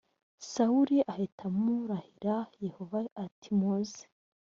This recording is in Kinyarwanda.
sawuli ahita amurahira yehova ati muze